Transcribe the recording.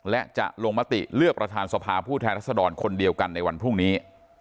และจะลงมติเลือกประธานสภาผู้แทนรัศดรคนเดียวกันในวันพรุ่งนี้